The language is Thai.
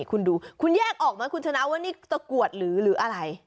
คุณดูคุณแยกออกไหมคุณชนะว่านี่ตะกรวดหรืออะไร